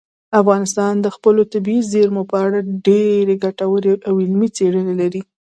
افغانستان د خپلو طبیعي زیرمو په اړه ډېرې ګټورې او علمي څېړنې لري.